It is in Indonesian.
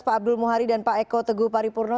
pak abdul muhari dan pak eko teguh paripurno